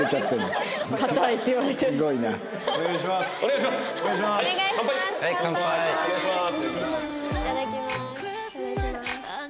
いただきます。